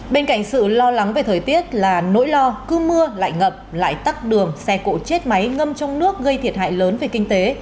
bên cạnh sự lo lắng về thời tiết là nỗi lo cứ mưa lại ngập lại tắt đường xe cộ chết máy ngâm trong nước gây thiệt hại lớn về kinh tế